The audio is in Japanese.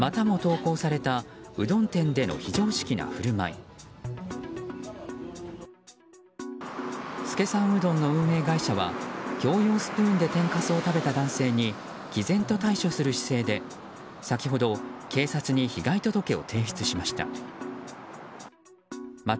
資さんうどんの運営会社は共用スプーンで天かすを食べた男性に毅然と対処する姿勢で先ほど警察に被害届を提出しました。